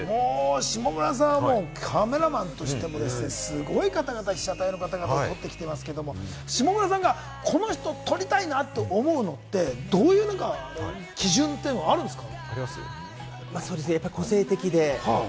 下村さんはカメラマンさんとして、すごい方々を被写体として撮ってきていますけれども、下村さんはこの方を撮りたいなと思うのってどういう基準ってあるんですか？